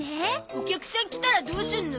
お客さん来たらどうするの？